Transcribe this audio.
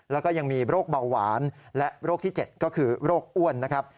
แล้วก็ยังมีโรคเบาหวานและโรคที่๗ก็คือโรคอ้วนนะครับ